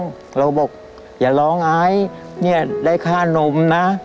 เราบอกอย่าร้องไอ้เนี่ยได้ค่านมนะ